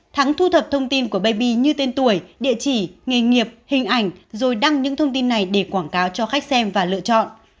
thắng thu thập thông tin của baby như tên tuổi địa chỉ nghề nghiệp hình ảnh rồi đăng những thông tin này để quảng cáo cho khách xem và lựa chọn